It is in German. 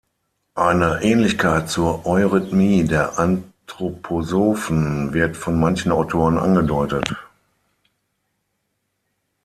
Eine Ähnlichkeit zur Eurythmie der Anthroposophen wird von manchen Autoren angedeutet.